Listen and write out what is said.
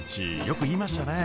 よく言いましたね。